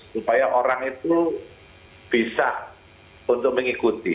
supaya orang itu bisa untuk mengikuti